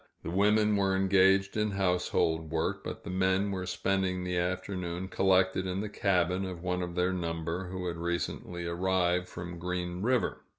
The women were engaged in household work, but the men were spending the afternoon collected in the cabin of one of their number, who had recently arrived from Green River.